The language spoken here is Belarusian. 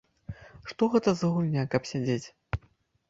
Што гэта за гульня, каб сядзець?